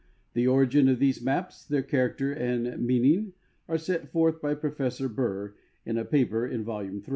The origin of these maps, their character and mean ing are set forth b)^ Professor Burr in a paper in volume 3.